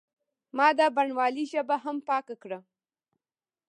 ما د بڼوالۍ ژبه هم پاکه کړه.